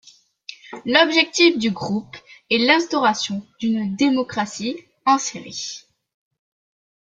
L'objectif du groupe est l'instauration d'une démocratie en Syrie.